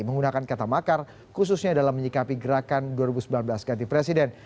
menggunakan kata makar khususnya dalam menyikapi gerakan dua ribu sembilan belas ganti presiden